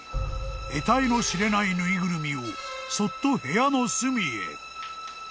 ［えたいの知れない縫いぐるみをそっと部屋の隅へ］